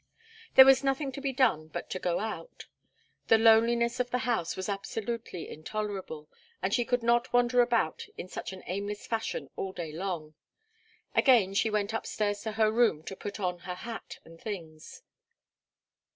There was nothing to be done but to go out. The loneliness of the house was absolutely intolerable, and she could not wander about in such an aimless fashion all day long. Again she went upstairs to her room to put on her hat and things.